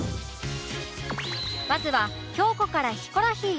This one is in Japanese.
まずは京子からヒコロヒーへ